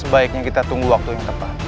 sebaiknya kita tunggu waktu yang tepat